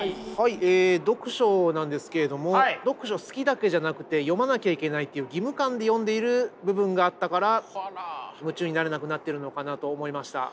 え読書なんですけれども読書好きだけじゃなくて読まなきゃいけないっていう義務感で読んでいる部分があったから夢中になれなくなってるのかなと思いました。